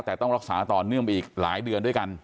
แต่ต้องรักษาต่อเนื่องไปอีกหลายเดือนด้วยกัน